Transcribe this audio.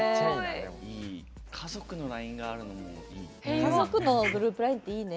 家族のＬＩＮＥがあるのがいい。